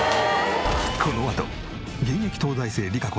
このあと現役東大生りか